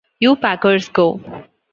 You Packers Go!